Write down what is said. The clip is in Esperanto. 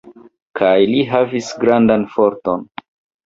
Kaj li havis grandan forton.